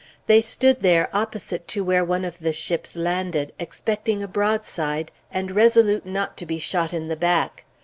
They stood there opposite to where one of the ships landed, expecting a broadside, and resolute not to be shot in the back.